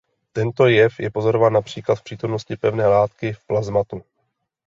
Tento jev je pozorován například v přítomnosti pevné látky v plazmatu.